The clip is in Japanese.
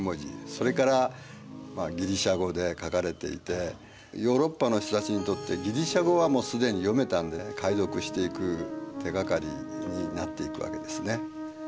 それからギリシア語で書かれていてヨーロッパの人たちにとってギリシア語はもう既に読めたんでね解読していく手がかりになっていくわけですね。